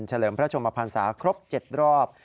เลิมพระชมพันศาครบ๗รอบ